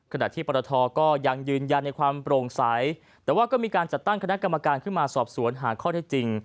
ขณะที่ปรทก็ยังยืนยันในความโปร่งใสแต่ว่าก็มีการจัดตั้งคณะกรรมการขึ้นมาสอบสวนหาข้อเท็จจริง